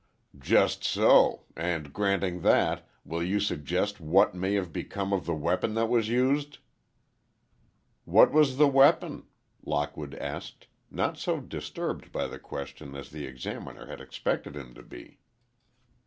"Just so; and, granting that, will you suggest what may have become of the weapon that was used?" "What was the weapon?" Lockwood asked, not so disturbed by the question as the Examiner had expected him to be.